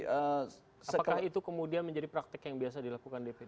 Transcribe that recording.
apakah itu kemudian menjadi praktik yang biasa dilakukan dpd